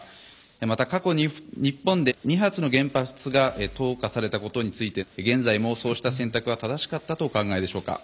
また過去日本で２発の原爆が投下されたことについて現在もそうした選択は正しかったとお考えでしょうか？